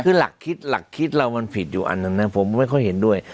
คือหลักคิดหลักคิดเรามันผิดอยู่อันนั้นนะผมไม่ค่อยเห็นด้วย